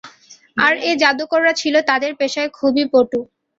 আর এ জাদুকররা ছিল তাদের পেশায় খুবই পটু।